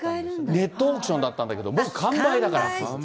ネットオークションだったんだけど、もう完売だから。